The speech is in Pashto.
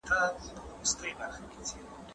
دايکندي د بادامو ګلونه لري.